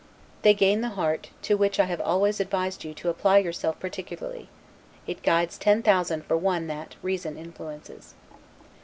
They gain the heart, to which I have always advised you to apply yourself particularly; it guides ten thousand for one that, reason influences.